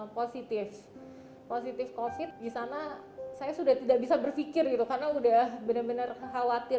positif positif covid disana saya sudah tidak bisa berpikir itu karena udah benar benar khawatir